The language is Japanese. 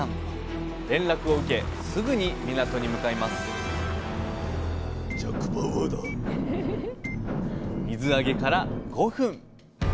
連絡を受けすぐに港に向かいます水揚げから５分。